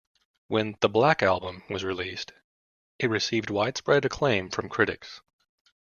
When "The Black Album" was released, it received widespread acclaim from critics.